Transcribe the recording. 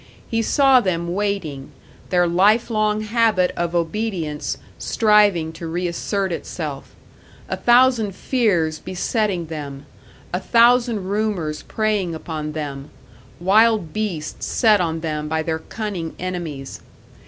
He saw them waiting, their life long habit of obedience striving to reassert itself; a thousand fears besetting them, a thousand rumours preying upon them wild beasts set on them by their cunning enemies.